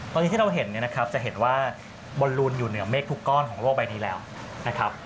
ตอนนี้ที่เราเห็นเนี่ยนะครับจะเห็นว่าบอลลูนอยู่เหนือเมฆทุกก้อนของโลกใบนี้แล้วนะครับ